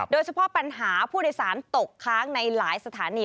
โดยเฉพาะปัญหาผู้โดยสารตกค้างในหลายสถานี